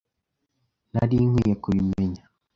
Nari nkwiye kubimenya.